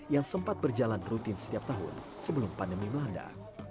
yang sempat berjalan rutin setiap tahun sebelum pandemi melanda